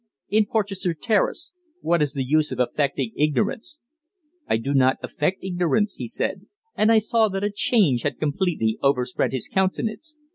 "In Porchester Terrace. What is the use of affecting ignorance?" "I do not affect ignorance," he said, and I saw that a change had completely overspread his countenance.